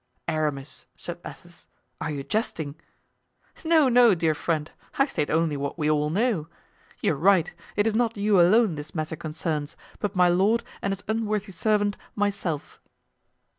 "Aramis," said Athos, "are you jesting?" "No, no, dear friend; I state only what we all know. You are right; it is not you alone this matter concerns, but my lord and his unworthy servant, myself."